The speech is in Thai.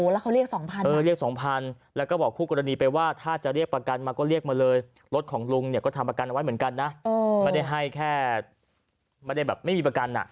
แล้วเขาเรียก๒๐๐เรียก๒๐๐แล้วก็บอกคู่กรณีไปว่าถ้าจะเรียกประกันมาก็เรียกมาเลยรถของลุงเนี่ยก็ทำประกันเอาไว้เหมือนกันนะไม่ได้ให้แค่ไม่ได้แบบไม่มีประกัน